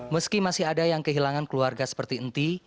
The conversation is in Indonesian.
meski masih ada yang kehilangan keluarga seperti enti